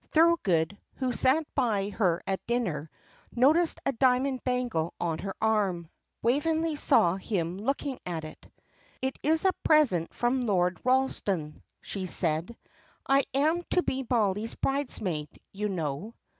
Thorold, who sat by her at dinner, noticed a diamond bangle on her arm. Waveney saw him looking at it. "It is a present from Lord Ralston," she said. "I am to be Mollie's bridesmaid, you know.